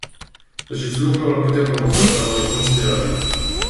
Acest lucru ar putea provoca daune considerabile.